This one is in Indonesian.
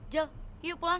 jel yuk pulang